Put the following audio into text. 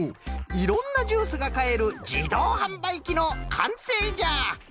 いろんなジュースがかえるじどうはんばいきのかんせいじゃ！